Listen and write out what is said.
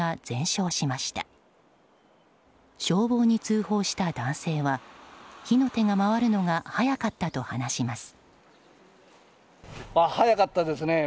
消防に通報した男性は火の手が回るのが早かったと話します。